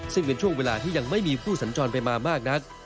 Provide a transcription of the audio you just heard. ซึ่งเป็นช่วงเวลาที่ยังไม่มีผู้สัญจรไปมามากนัก